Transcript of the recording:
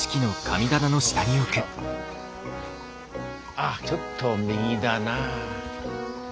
ああちょっと右だな。